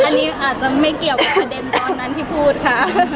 อันนี้อาจจะไม่เกี่ยวกับประเด็นตอนนั้นที่พูดค่ะ